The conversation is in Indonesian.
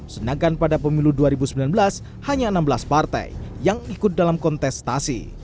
sedangkan pada pemilu dua ribu sembilan belas hanya enam belas partai yang ikut dalam kontestasi